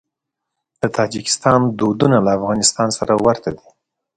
د تاجکستان دودونه له افغانستان سره ورته دي.